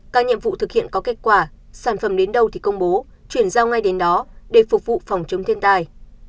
các nhiệm vụ thực hiện có kết quả sản phẩm đến đâu thì công bố chuyển giao ngay đến đó để phục vụ phòng chống thiên tai